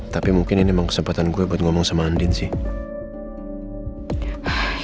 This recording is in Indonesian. tapi mungkin ini emang kesempatan gue buat ngomong sama andin sih